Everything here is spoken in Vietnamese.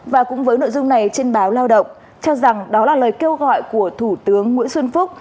và cũng với nội dung này trên báo lao động cho rằng đó là lời kêu gọi của thủ tướng nguyễn xuân phúc